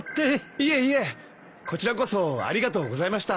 いえいえこちらこそありがとうございました。